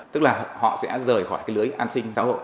tức là họ sẽ rời khỏi cái lưới an sinh xã hội